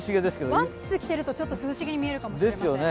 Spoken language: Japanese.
ワンピース着てると、涼しげに見えるかもしれません。